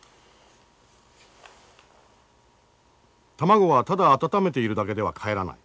卵はただ温めているだけではかえらない。